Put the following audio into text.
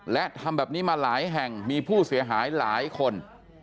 และทำแบบนี้มาหลายแห่งมีผู้เสียหายหลายคน